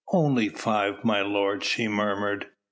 "Only five, my lord," she murmured.